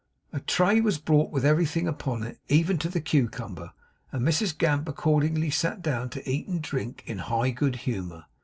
A tray was brought with everything upon it, even to the cucumber and Mrs Gamp accordingly sat down to eat and drink in high good humour.